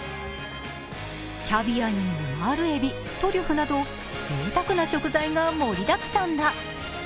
キャビアにオマールえび、トリュフなどぜいたくな食材が盛りだくさんだ。